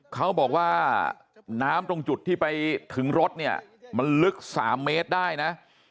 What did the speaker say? เขาบอกว่าน้ำตรงจุดที่ไปถึงรถเนี่ยมันลึก๓เมตรได้นะ